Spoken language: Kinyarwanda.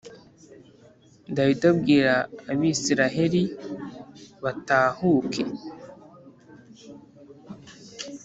dawidi abwira abisilaheli batahuke